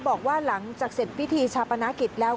บอกว่าหลังจากเสร็จพิธีชาปนกิจแล้ว